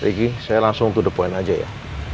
ricky saya langsung to the point aja ya